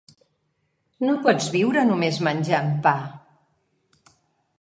No pots viure només menjant pa.